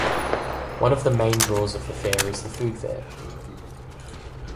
One of the main draws of the fair is the food fair.